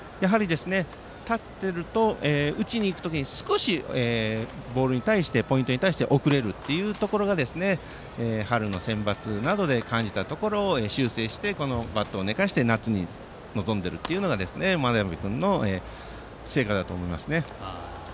やはり立っていると打ちに行く時に少しポイントに対して遅れるというところが春のセンバツなどで感じたところを修正してこのバットを寝かして夏に臨んでいるというのが真鍋君の成果だと思います。